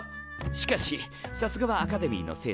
しかしさすがはアカデミーの生徒さん。